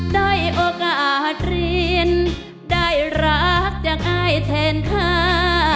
ได้โอกาสเรียนได้รักจากอ้ายแทนค่ะ